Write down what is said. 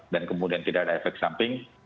dan kemudian tidak ada efek samping